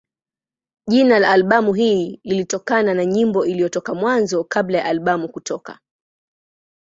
Jina la albamu hii lilitokana na nyimbo iliyotoka Mwanzo kabla ya albamu kutoka.